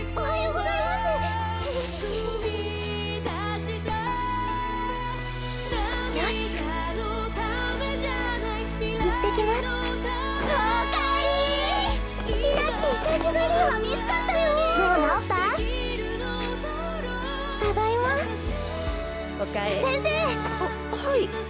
はい？